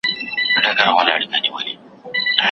او ماته یې هم په دې مراسمو کي